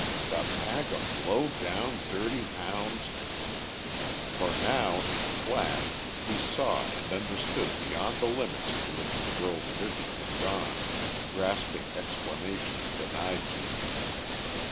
"The pack of low down, dirty hounds!" For now, in a flash, he saw and understood beyond the limits to which the girl's vision had gone, grasping explanations denied to her.